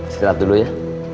sekirat dulu ya